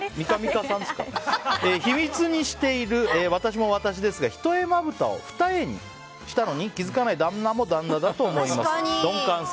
秘密にしている私も私ですが一重まぶたを二重にしたのに気づかない旦那も旦那だと思いました。